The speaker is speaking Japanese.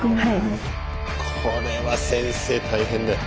これは先生大変だよ。